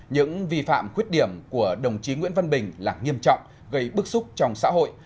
những vi phạm khuyết điểm của đồng chí nguyễn văn bình là nghiêm trọng gây bức xúc trong xã hội